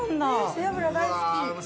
背脂大好き。